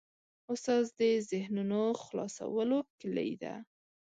استاد د ذهنونو خلاصولو کلۍ ده.